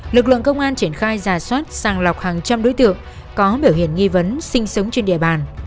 lực lượng công an triển khai giả soát sàng lọc hàng trăm đối tượng có biểu hiện nghi vấn sinh sống trên địa bàn